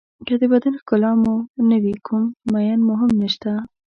که د بدن ښکلا مو نه وي کوم مېن مو هم نشته.